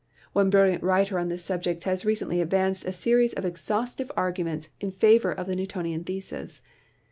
One brilliant writer on this subject has recently advanced a series of exhaustive arguments in favor of the New tonian thesis.